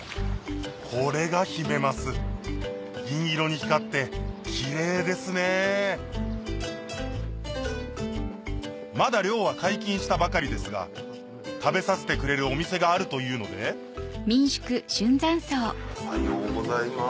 これがヒメマス銀色に光ってキレイですねまだ漁は解禁したばかりですが食べさせてくれるお店があるというのでおはようございます。